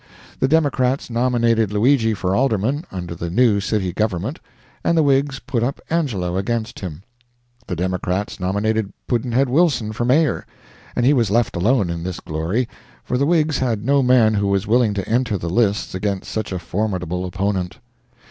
The Democrats nominated Luigi for alderman under the new city government, and the Whigs put up Angelo against him. The Democrats nominated Pudd'nhead Wilson for mayor, and he was left alone in this glory, for the Whigs had no man who was willing to enter the lists against such a formidable opponent.